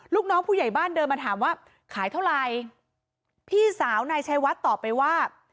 ลูกน้องผู้ใหญ่บ้านเดินมาถามว่าขายเท่าไรพี่สาวนายชัยวัดตอบไปว่า